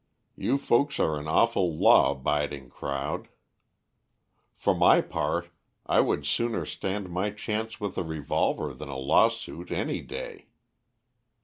You folks are an awful law abiding crowd. For my part I would sooner stand my chance with a revolver than a lawsuit any day."